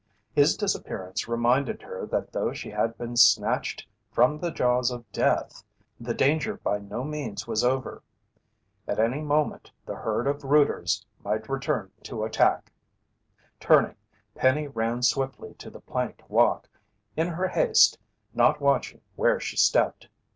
His disappearance reminded her that though she had been snatched from the jaws of death, the danger by no means was over. At any moment the herd of rooters might return to attack. Turning, Penny ran swiftly to the planked walk, in her haste not watching where she stepped.